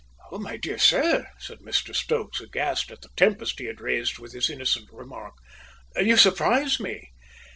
"My dear sir," said Mr Stokes, aghast at the tempest he had raised by his innocent remark, "you surprise me!"